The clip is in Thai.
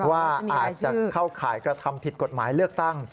ว่าอาจจะเข้าข่ายกระทำผิดกฎหมายเลือกตั้ง